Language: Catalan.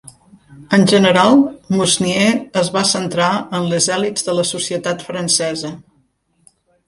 En general, Mousnier es va centrar en les elits de la societat francesa.